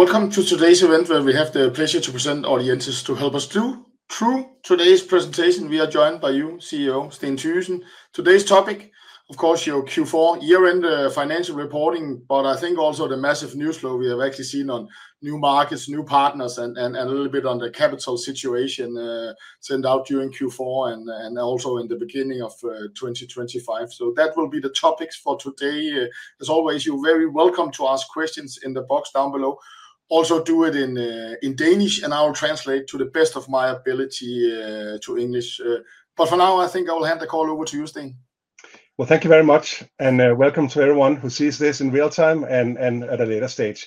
Welcome to today's event, where we have the pleasure to present Audientes to help us through today's presentation. We are joined by you, CEO Steen Thygesen. Today's topic, of course, your Q4 year-end financial reporting, but I think also the massive news flow we have actually seen on new markets, new partners, and a little bit on the capital situation sent out during Q4 and also in the beginning of 2025. That will be the topics for today. As always, you're very welcome to ask questions in the box down below. Also, do it in Danish, and I'll translate to the best of my ability to English. For now, I think I will hand the call over to you, Steen. Thank you very much, and welcome to everyone who sees this in real time and at a later stage.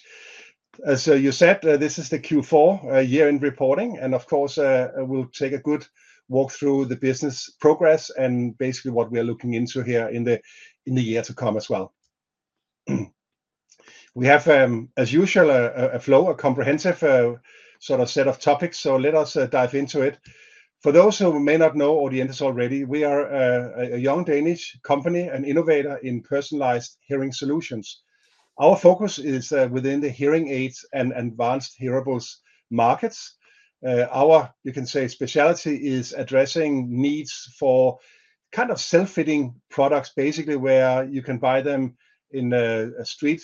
As you said, this is the Q4 year-end reporting, and of course, we will take a good walk through the business progress and basically what we are looking into here in the year to come as well. We have, as usual, a flow, a comprehensive sort of set of topics, so let us dive into it. For those who may not know Audientes already, we are a young Danish company, an innovator in personalized hearing solutions. Our focus is within the hearing aids and advanced hearables markets. Our, you can say, specialty is addressing needs for kind of self-fitting products, basically where you can buy them in a street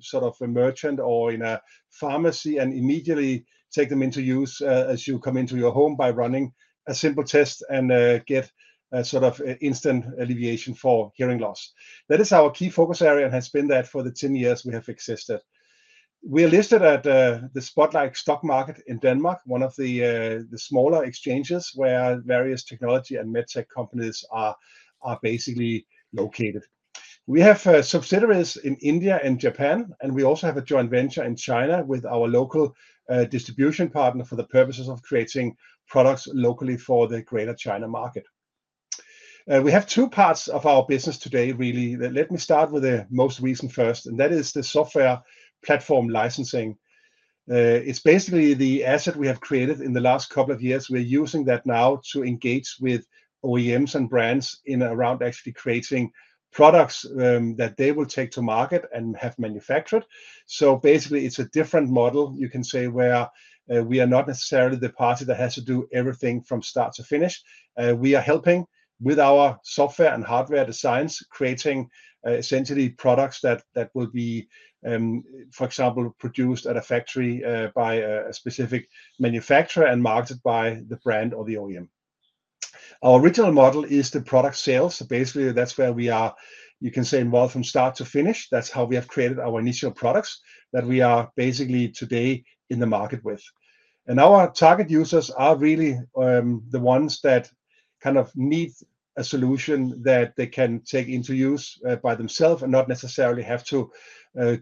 sort of a merchant or in a pharmacy and immediately take them into use as you come into your home by running a simple test and get a sort of instant alleviation for hearing loss. That is our key focus area and has been that for the 10 years we have existed. We are listed at the Spotlight Stock Market in Denmark, one of the smaller exchanges where various technology and MedTech companies are basically located. We have subsidiaries in India and Japan, and we also have a joint venture in China with our local distribution partner for the purposes of creating products locally for the greater China market. We have two parts of our business today, really. Let me start with the most recent first, and that is the software platform licensing. It's basically the asset we have created in the last couple of years. We're using that now to engage with OEMs and brands around actually creating products that they will take to market and have manufactured. It's a different model, you can say, where we are not necessarily the party that has to do everything from start to finish. We are helping with our software and hardware designs, creating essentially products that will be, for example, produced at a factory by a specific manufacturer and marketed by the brand or the OEM. Our original model is the product sales. Basically, that's where we are, you can say, involved from start to finish. That's how we have created our initial products that we are basically today in the market with. Our target users are really the ones that kind of need a solution that they can take into use by themselves and not necessarily have to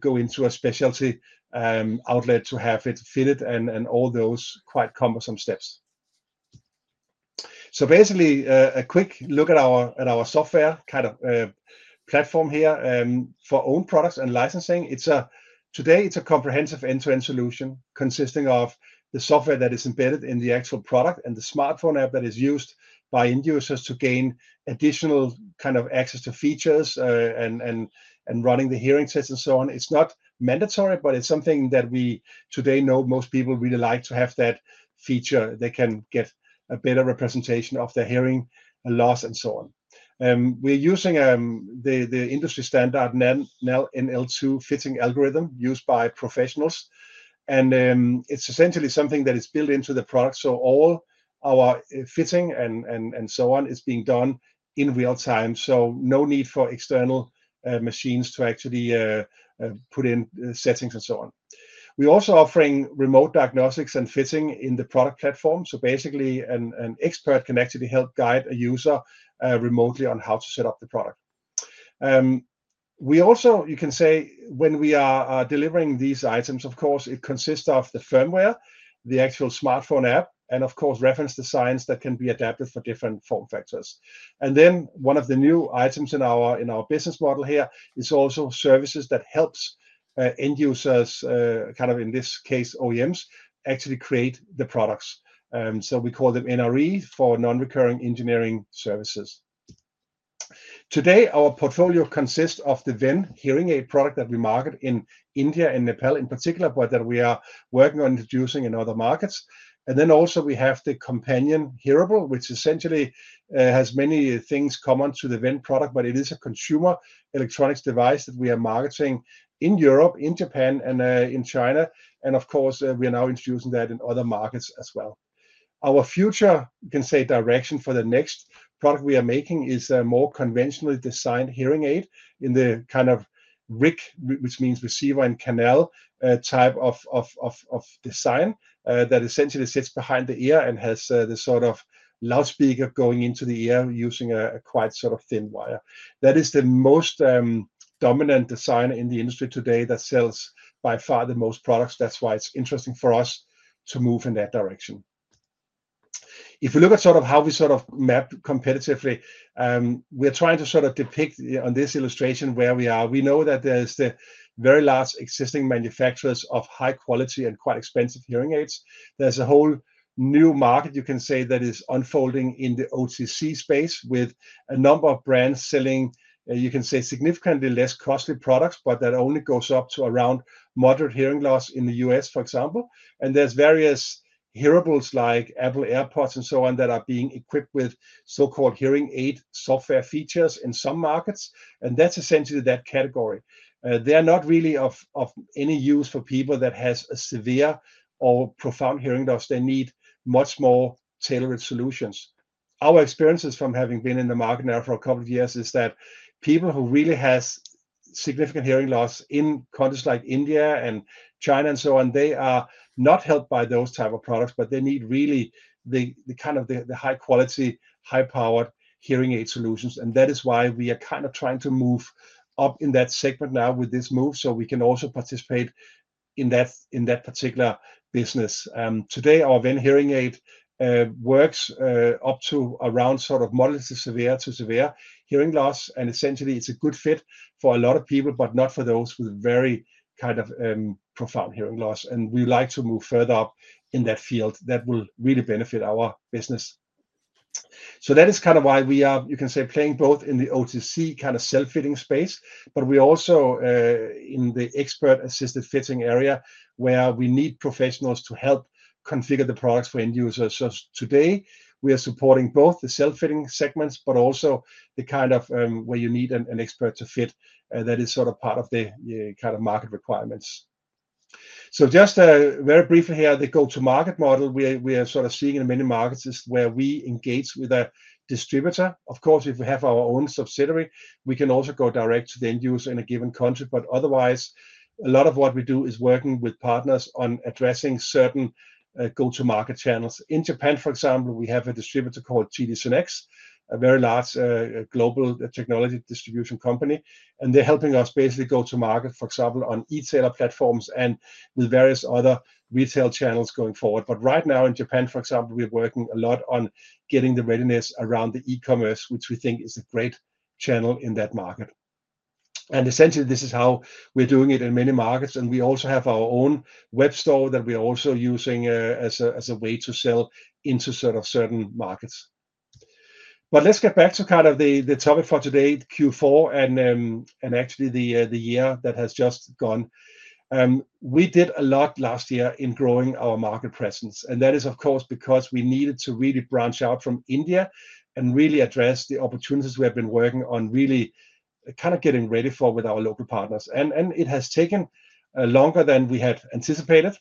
go into a specialty outlet to have it fitted and all those quite cumbersome steps. Basically, a quick look at our software kind of platform here for own products and licensing. Today, it is a comprehensive end-to-end solution consisting of the software that is embedded in the actual product and the smartphone app that is used by end users to gain additional kind of access to features and running the hearing test and so on. It is not mandatory, but it is something that we today know most people really like to have that feature. They can get a better representation of their hearing loss and so on. We're using the industry standard NAL-NL2 fitting algorithm used by professionals, and it's essentially something that is built into the product. All our fitting and so on is being done in real time, so no need for external machines to actually put in settings and so on. We're also offering remote diagnostics and fitting in the product platform. Basically, an expert can actually help guide a user remotely on how to set up the product. We also, you can say, when we are delivering these items, of course, it consists of the firmware, the actual smartphone app, and of course, reference designs that can be adapted for different form factors. One of the new items in our business model here is also services that help end users, kind of in this case, OEMs, actually create the products. We call them NRE for non-recurring engineering services. Today, our portfolio consists of the Ven hearing aid product that we market in India and Nepal in particular, but that we are working on introducing in other markets. Also, we have the Companion hearable, which essentially has many things common to the Ven product, but it is a consumer electronics device that we are marketing in Europe, in Japan, and in China. Of course, we are now introducing that in other markets as well. Our future, you can say, direction for the next product we are making is a more conventionally designed hearing aid in the kind of RIC, which means Receiver-in-Canal type of design that essentially sits behind the ear and has the sort of loudspeaker going into the ear using a quite sort of thin wire. That is the most dominant design in the industry today that sells by far the most products. That's why it's interesting for us to move in that direction. If you look at sort of how we sort of map competitively, we are trying to sort of depict on this illustration where we are. We know that there's the very last existing manufacturers of high quality and quite expensive hearing aids. There's a whole new market, you can say, that is unfolding in the OTC space with a number of brands selling, you can say, significantly less costly products, but that only goes up to around moderate hearing loss in the U.S., for example. There are various hearables like Apple AirPods and so on that are being equipped with so-called hearing aid software features in some markets. That's essentially that category. They are not really of any use for people that have severe or profound hearing loss. They need much more tailored solutions. Our experiences from having been in the market now for a couple of years is that people who really have significant hearing loss in countries like India and China and so on, they are not helped by those types of products, but they need really the kind of the high quality, high powered hearing aid solutions. That is why we are kind of trying to move up in that segment now with this move so we can also participate in that particular business. Today, our Ven hearing aid works up to around sort of moderate to severe to severe hearing loss. Essentially, it's a good fit for a lot of people, but not for those with very kind of profound hearing loss. We like to move further up in that field that will really benefit our business. That is kind of why we are, you can say, playing both in the OTC kind of self-fitting space, but we are also in the expert-assisted fitting area where we need professionals to help configure the products for end users. Today, we are supporting both the self-fitting segments, but also the kind of where you need an expert to fit that is sort of part of the kind of market requirements. Just very briefly here, the go-to-market model we are sort of seeing in many markets is where we engage with a distributor. Of course, if we have our own subsidiary, we can also go direct to the end user in a given country. Otherwise, a lot of what we do is working with partners on addressing certain go-to-market channels. In Japan, for example, we have a distributor called TD Synnex, a very large global technology distribution company. They're helping us basically go-to-market, for example, on e-tailer platforms and with various other retail channels going forward. Right now in Japan, for example, we are working a lot on getting the readiness around the e-commerce, which we think is a great channel in that market. Essentially, this is how we're doing it in many markets. We also have our own web store that we are also using as a way to sell into sort of certain markets. Let's get back to kind of the topic for today, Q4, and actually the year that has just gone. We did a lot last year in growing our market presence. That is, of course, because we needed to really branch out from India and really address the opportunities we have been working on, really kind of getting ready for with our local partners. It has taken longer than we had anticipated.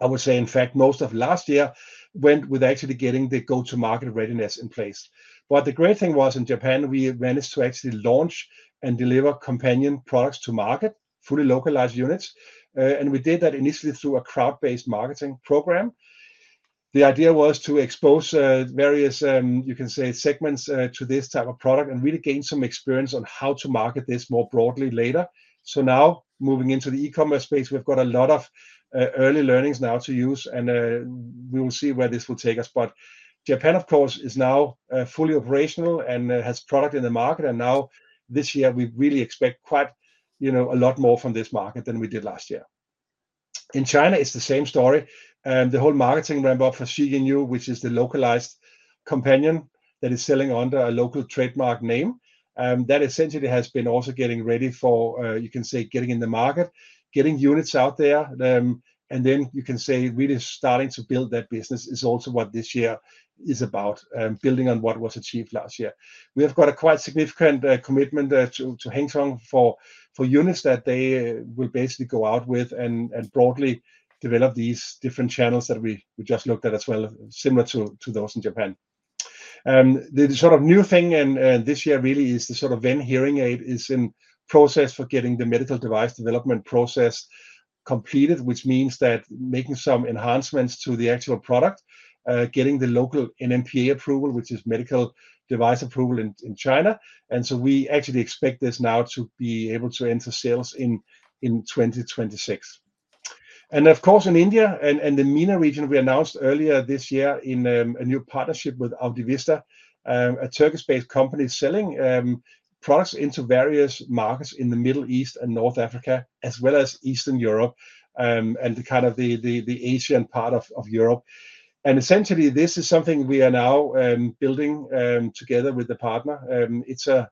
I would say, in fact, most of last year went with actually getting the go-to-market readiness in place. The great thing was in Japan, we managed to actually launch and deliver Companion products to market, fully localized units. We did that initially through a crowd-based marketing program. The idea was to expose various, you can say, segments to this type of product and really gain some experience on how to market this more broadly later. Now moving into the e-commerce space, we have got a lot of early learnings now to use, and we will see where this will take us. Japan, of course, is now fully operational and has product in the market. Now this year, we really expect quite a lot more from this market than we did last year. In China, it's the same story. The whole marketing ramp-up for Xi Yin Yu, which is the localized Companion that is selling under a local trademark name, that essentially has been also getting ready for, you can say, getting in the market, getting units out there. You can say really starting to build that business is also what this year is about, building on what was achieved last year. We have got a quite significant commitment to Hengtong for units that they will basically go out with and broadly develop these different channels that we just looked at as well, similar to those in Japan. The sort of new thing this year really is the sort of Ven hearing aid is in process for getting the medical device development process completed, which means that making some enhancements to the actual product, getting the local NMPA approval, which is medical device approval in China. We actually expect this now to be able to enter sales in 2026. Of course, in India and the MENA region, we announced earlier this year a new partnership with Audivista, a Turkish-based company selling products into various markets in the Middle East and North Africa, as well as Eastern Europe and kind of the Asian part of Europe. Essentially, this is something we are now building together with the partner. It's a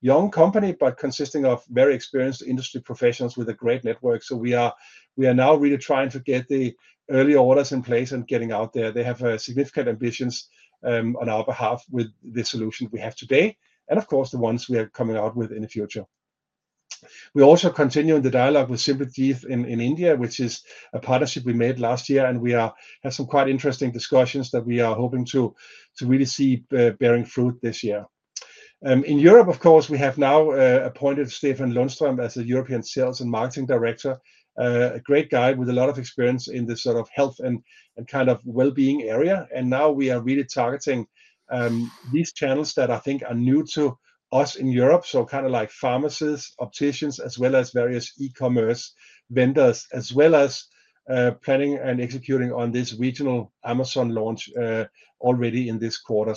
young company, but consisting of very experienced industry professionals with a great network. We are now really trying to get the early orders in place and getting out there. They have significant ambitions on our behalf with the solution we have today and, of course, the ones we are coming out with in the future. We also continue in the dialogue with Simply Teeth in India, which is a partnership we made last year. We have some quite interesting discussions that we are hoping to really see bearing fruit this year. In Europe, of course, we have now appointed Stefan Lundström as the European Sales and Marketing Director, a great guy with a lot of experience in this sort of health and kind of well-being area. Now we are really targeting these channels that I think are new to us in Europe. Kind of like pharmacies, opticians, as well as various e-commerce vendors, as well as planning and executing on this regional Amazon launch already in this quarter.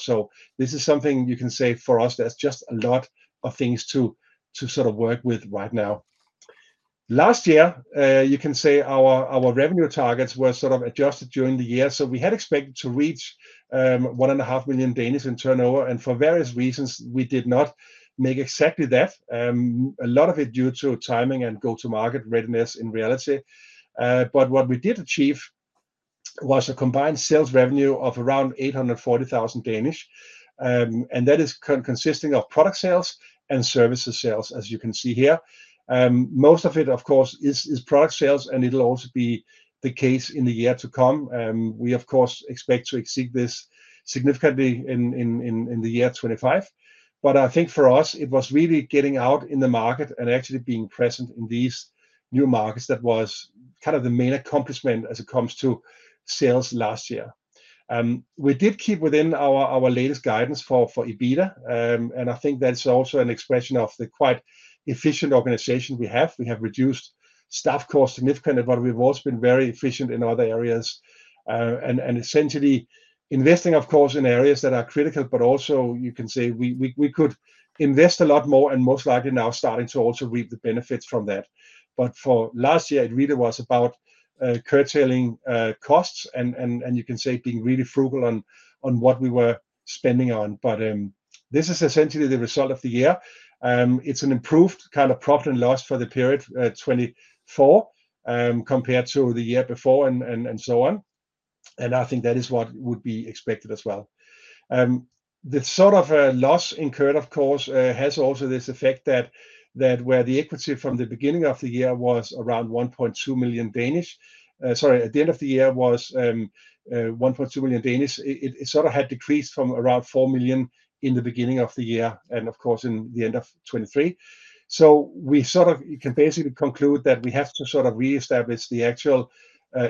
This is something you can say for us, there's just a lot of things to sort of work with right now. Last year, you can say our revenue targets were sort of adjusted during the year. We had expected to reach 1.5 million in turnover. For various reasons, we did not make exactly that. A lot of it due to timing and go-to-market readiness in reality. What we did achieve was a combined sales revenue of around 840,000. That is consisting of product sales and services sales, as you can see here. Most of it, of course, is product sales, and it'll also be the case in the year to come. We, of course, expect to exceed this significantly in the year 2025. I think for us, it was really getting out in the market and actually being present in these new markets that was kind of the main accomplishment as it comes to sales last year. We did keep within our latest guidance for EBITDA. I think that's also an expression of the quite efficient organization we have. We have reduced staff costs significantly, but we've also been very efficient in other areas. Essentially investing, of course, in areas that are critical, but also you can say we could invest a lot more and most likely now starting to also reap the benefits from that. For last year, it really was about curtailing costs and you can say being really frugal on what we were spending on. This is essentially the result of the year. It's an improved kind of profit and loss for the period 2024 compared to the year before and so on. I think that is what would be expected as well. The sort of loss incurred, of course, has also this effect that where the equity from the beginning of the year was around 1.2 million, sorry, at the end of the year was 1.2 million, it sort of had decreased from around 4 million in the beginning of the year and, of course, in the end of 2023. We sort of can basically conclude that we have to sort of reestablish the actual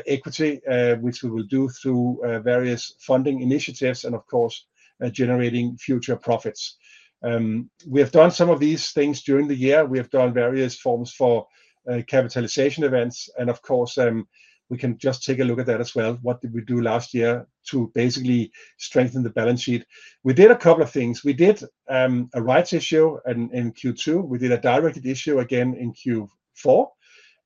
equity, which we will do through various funding initiatives and, of course, generating future profits. We have done some of these things during the year. We have done various forms for capitalization events. Of course, we can just take a look at that as well. What did we do last year to basically strengthen the balance sheet? We did a couple of things. We did a rights issue in Q2. We did a directed issue again in Q4.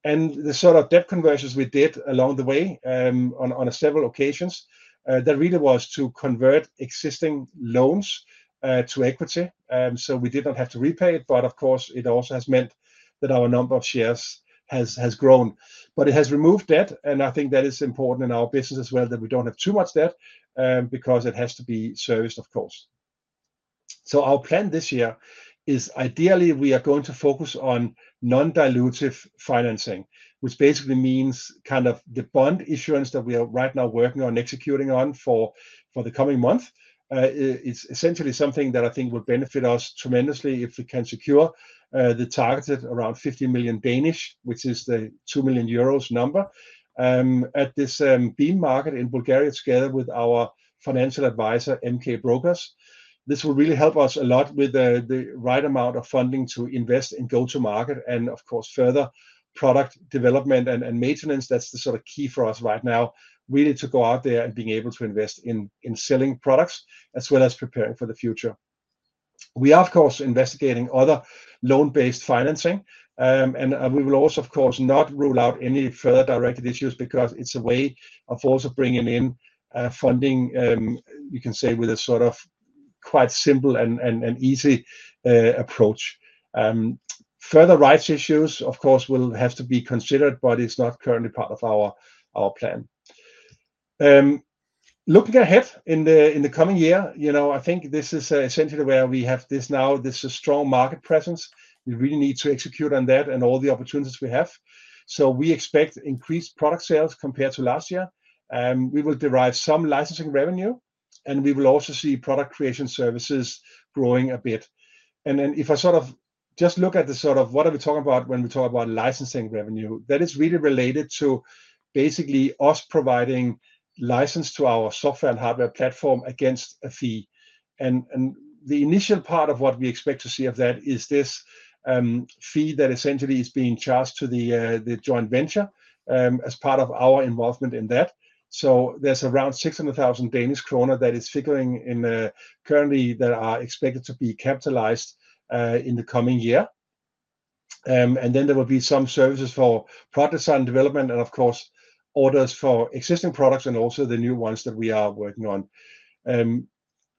The sort of debt conversions we did along the way on several occasions, that really was to convert existing loans to equity. We did not have to repay it. Of course, it also has meant that our number of shares has grown. It has removed debt. I think that is important in our business as well that we do not have too much debt because it has to be serviced, of course. Our plan this year is ideally we are going to focus on non-dilutive financing, which basically means kind of the bond issuance that we are right now working on executing on for the coming month. It's essentially something that I think would benefit us tremendously if we can secure the targeted around 50 million, which is the 2 million euros number at this BEAM market in Bulgaria together with our financial advisor, MK Brokers. This will really help us a lot with the right amount of funding to invest in go-to-market and, of course, further product development and maintenance. That's the sort of key for us right now, really to go out there and being able to invest in selling products as well as preparing for the future. We are, of course, investigating other loan-based financing. We will also, of course, not rule out any further directed issues because it's a way of also bringing in funding, you can say, with a sort of quite simple and easy approach. Further rights issues, of course, will have to be considered, but it's not currently part of our plan. Looking ahead in the coming year, I think this is essentially where we have this now. This is a strong market presence. We really need to execute on that and all the opportunities we have. We expect increased product sales compared to last year. We will derive some licensing revenue, and we will also see product creation services growing a bit. If I sort of just look at the sort of what are we talking about when we talk about licensing revenue, that is really related to basically us providing license to our software and hardware platform against a fee. The initial part of what we expect to see of that is this fee that essentially is being charged to the joint venture as part of our involvement in that. There is around 600,000 Danish kroner that is figuring in currently that are expected to be capitalized in the coming year. There will be some services for product design development and, of course, orders for existing products and also the new ones that we are working on.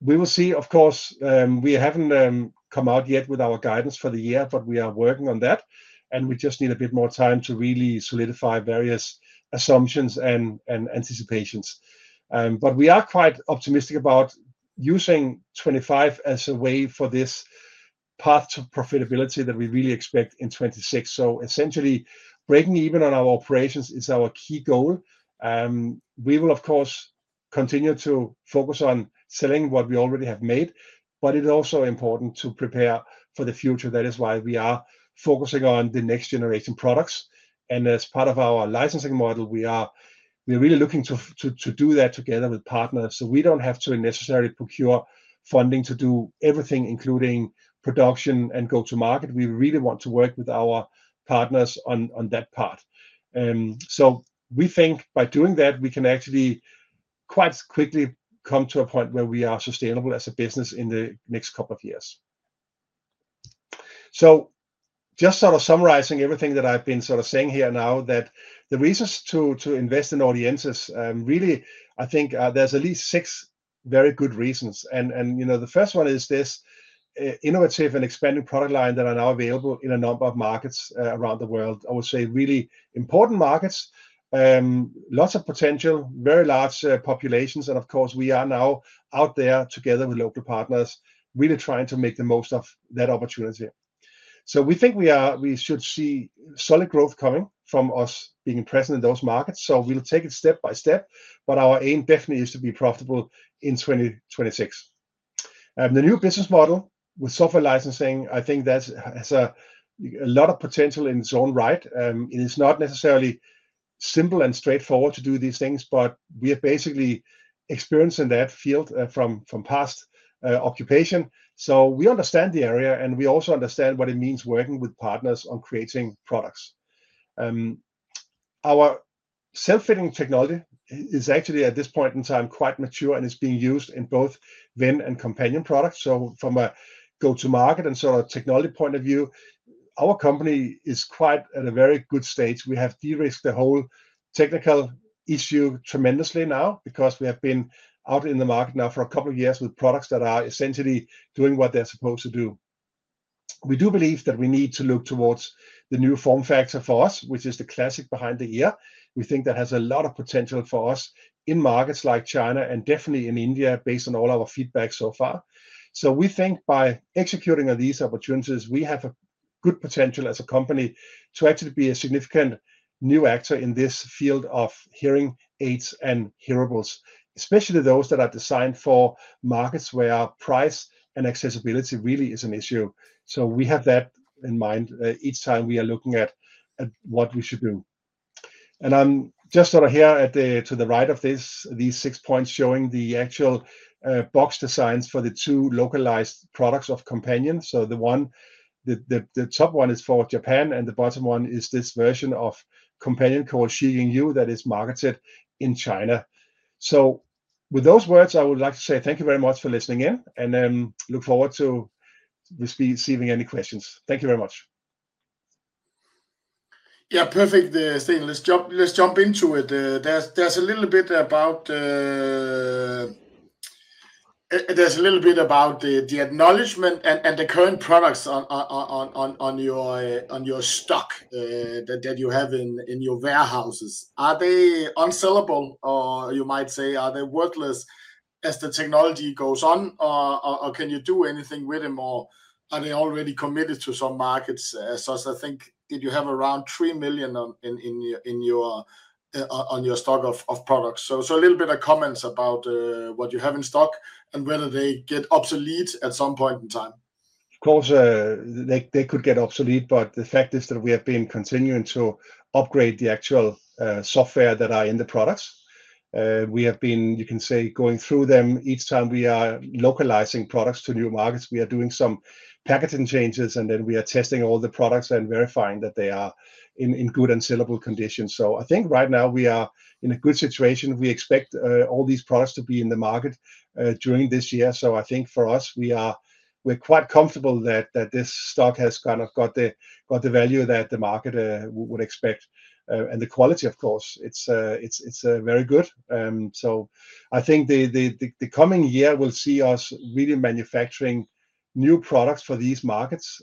We will see, of course, we haven't come out yet with our guidance for the year, but we are working on that. We just need a bit more time to really solidify various assumptions and anticipations. We are quite optimistic about using 2025 as a way for this path to profitability that we really expect in 2026. Essentially, breaking even on our operations is our key goal. We will, of course, continue to focus on selling what we already have made, but it is also important to prepare for the future. That is why we are focusing on the next generation products. As part of our licensing model, we are really looking to do that together with partners so we do not have to necessarily procure funding to do everything, including production and go-to-market. We really want to work with our partners on that part. We think by doing that, we can actually quite quickly come to a point where we are sustainable as a business in the next couple of years. Just sort of summarizing everything that I've been sort of saying here now, the reasons to invest in Audientes, really, I think there's at least six very good reasons. The first one is this innovative and expanding product line that are now available in a number of markets around the world. I would say really important markets, lots of potential, very large populations. Of course, we are now out there together with local partners, really trying to make the most of that opportunity. We think we should see solid growth coming from us being present in those markets. We'll take it step by step. Our aim definitely is to be profitable in 2026. The new business model with software licensing, I think that has a lot of potential in its own right. It is not necessarily simple and straightforward to do these things, but we have basically experience in that field from past occupation. I mean, we understand the area, and we also understand what it means working with partners on creating products. Our self-fitting technology is actually at this point in time quite mature and is being used in both Ven and Companion products. From a go-to-market and sort of technology point of view, our company is quite at a very good stage. We have de-risked the whole technical issue tremendously now because we have been out in the market now for a couple of years with products that are essentially doing what they're supposed to do. We do believe that we need to look towards the new form factor for us, which is the classic behind the ear. We think that has a lot of potential for us in markets like China and definitely in India based on all our feedback so far. We think by executing on these opportunities, we have a good potential as a company to actually be a significant new actor in this field of hearing aids and hearables, especially those that are designed for markets where price and accessibility really is an issue. We have that in mind each time we are looking at what we should do. I'm just sort of here to the right of these six points showing the actual box designs for the two localized products of Companion. The top one is for Japan, and the bottom one is this version of Companion called Xi Yin Yu that is marketed in China. With those words, I would like to say thank you very much for listening in and look forward to receiving any questions. Thank you very much. Yeah, perfect. Steen, let's jump into it. There's a little bit about the acknowledgement and the current products on your stock that you have in your warehouses. Are they unsellable, or you might say, are they worthless as the technology goes on, or can you do anything with them, or are they already committed to some markets? I think you have around 3 million on your stock of products. A little bit of comments about what you have in stock and whether they get obsolete at some point in time. Of course, they could get obsolete, but the fact is that we have been continuing to upgrade the actual software that are in the products. We have been, you can say, going through them each time we are localizing products to new markets. We are doing some packaging changes, and then we are testing all the products and verifying that they are in good and sellable conditions. I think right now we are in a good situation. We expect all these products to be in the market during this year. I think for us, we are quite comfortable that this stock has kind of got the value that the market would expect. The quality, of course, it's very good, so I think the coming year will see us really manufacturing new products for these markets,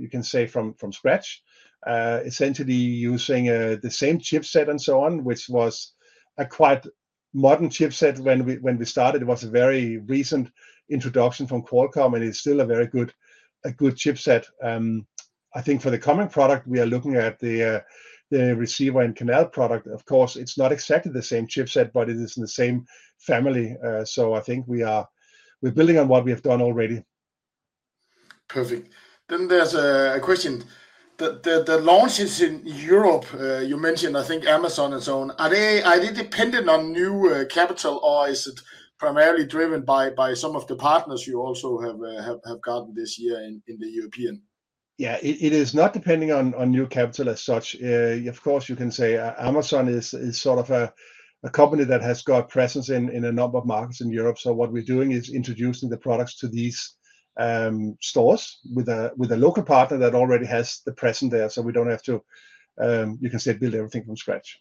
you can say, from scratch, essentially using the same chipset and so on, which was a quite modern chipset when we started. It was a very recent introduction from Qualcomm, and it's still a very good chipset. I think for the coming product, we are looking at the Receiver-in-Canal product. Of course, it's not exactly the same chipset, but it is in the same family. I think we are building on what we have done already. Perfect. There is a question. The launches in Europe, you mentioned, I think Amazon is on. Are they dependent on new capital, or is it primarily driven by some of the partners you also have gotten this year in the European? Yeah, it is not depending on new capital as such. Of course, you can say Amazon is sort of a company that has got presence in a number of markets in Europe. What we're doing is introducing the products to these stores with a local partner that already has the presence there. You can say we don't have to build everything from scratch.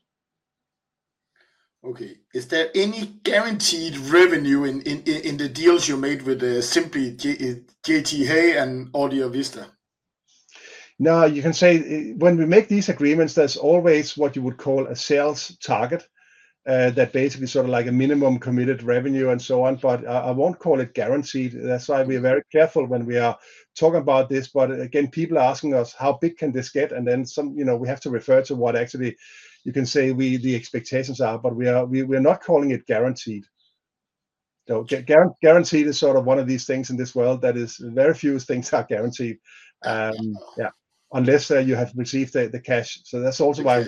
Okay. Is there any guaranteed revenue in the deals you made with Simply Teeth and Audivista? No, you can say when we make these agreements, there's always what you would call a sales target that basically is sort of like a minimum committed revenue and so on. I won't call it guaranteed. That's why we are very careful when we are talking about this. Again, people are asking us, how big can this get? We have to refer to what actually you can say the expectations are, but we are not calling it guaranteed. Guaranteed is sort of one of these things in this world that is very few things are guaranteed, yeah, unless you have received the cash. That is also why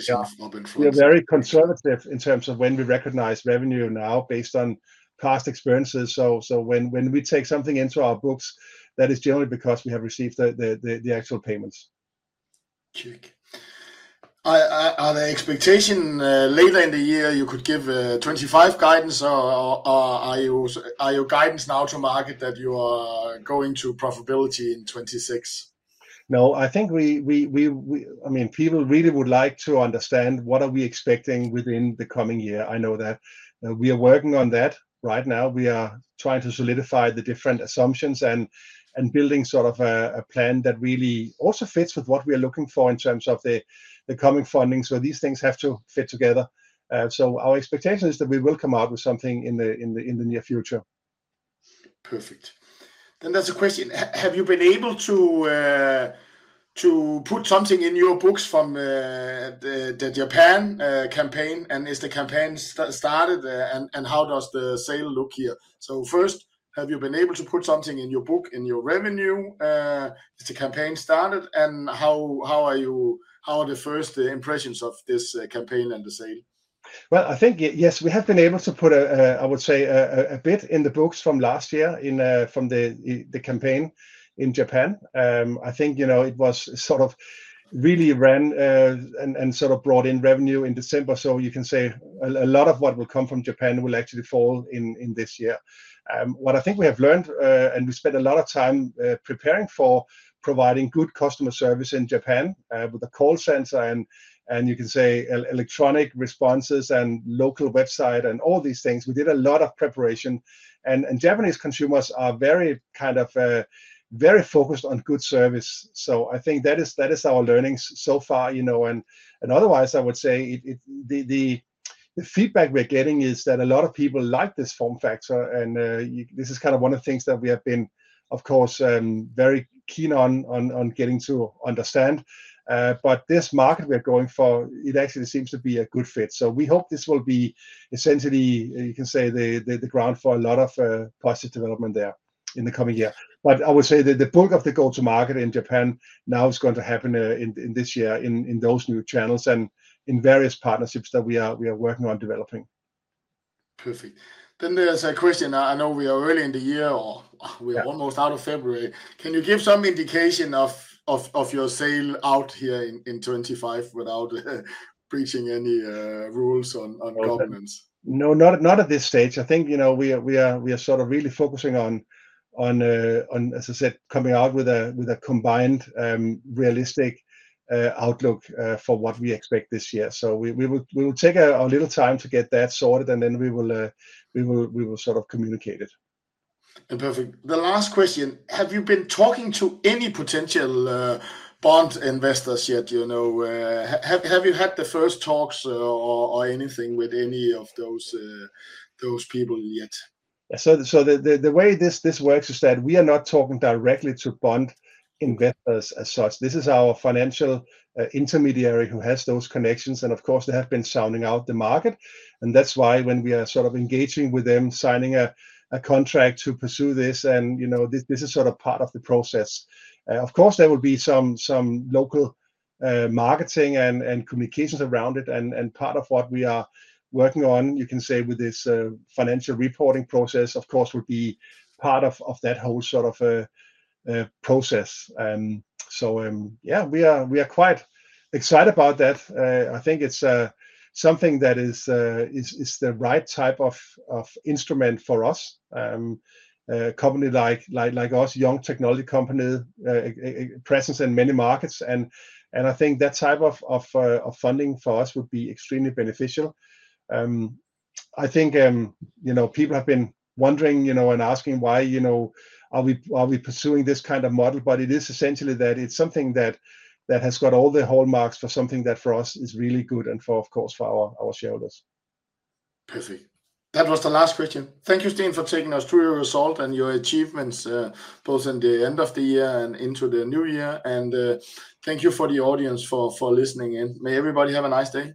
we are very conservative in terms of when we recognize revenue now based on past experiences. When we take something into our books, that is generally because we have received the actual payments. Check. Are the expectation later in the year you could give 2025 guidance, or are your guidance now to market that you are going to profitability in 2026? No, I think, I mean, people really would like to understand what are we expecting within the coming year. I know that we are working on that right now. We are trying to solidify the different assumptions and building sort of a plan that really also fits with what we are looking for in terms of the coming funding. These things have to fit together. Our expectation is that we will come out with something in the near future. Perfect. There is a question. Have you been able to put something in your books from the Japan campaign, and is the campaign started, and how does the sale look here? First, have you been able to put something in your book, in your revenue, as the campaign started, and how are the first impressions of this campaign and the sale? I think, yes, we have been able to put, I would say, a bit in the books from last year from the campaign in Japan. I think it was sort of really ran and sort of brought in revenue in December. You can say a lot of what will come from Japan will actually fall in this year. What I think we have learned and we spent a lot of time preparing for providing good customer service in Japan with a call center and, you can say, electronic responses and local website and all these things. We did a lot of preparation. Japanese consumers are very kind of very focused on good service. I think that is our learnings so far. Otherwise, I would say the feedback we're getting is that a lot of people like this form factor. This is kind of one of the things that we have been, of course, very keen on getting to understand. This market we are going for actually seems to be a good fit. We hope this will be essentially, you can say, the ground for a lot of positive development there in the coming year. I would say the bulk of the go-to-market in Japan now is going to happen this year in those new channels and in various partnerships that we are working on developing. Perfect. There is a question. I know we are early in the year or we are almost out of February. Can you give some indication of your sale out here in 2025 without breaching any rules on governance? No, not at this stage. I think we are really focusing on, as I said, coming out with a combined realistic outlook for what we expect this year. We will take a little time to get that sorted, and then we will sort of communicate it. Perfect. The last question. Have you been talking to any potential bond investors yet? Have you had the first talks or anything with any of those people yet? The way this works is that we are not talking directly to bond investors as such. This is our financial intermediary who has those connections. Of course, they have been sounding out the market. That is why when we are sort of engaging with them, signing a contract to pursue this, this is sort of part of the process. Of course, there will be some local marketing and communications around it. Part of what we are working on, you can say, with this financial reporting process, of course, would be part of that whole sort of process. Yeah, we are quite excited about that. I think it's something that is the right type of instrument for us, a company like us, a young technology company, presence in many markets. I think that type of funding for us would be extremely beneficial. I think people have been wondering and asking why are we pursuing this kind of model. It is essentially that it's something that has got all the hallmarks for something that for us is really good and, of course, for our shareholders. Perfect. That was the last question. Thank you, Steen, for taking us through your result and your achievements both in the end of the year and into the new year. Thank you for the audience for listening. May everybody have a nice day.